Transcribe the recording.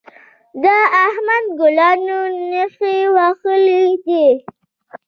د احمد ګلانو نېښ وهلی دی.